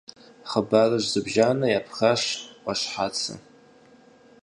Хъыбарыжь зыбжанэ епхащ Ӏуащхьацэ.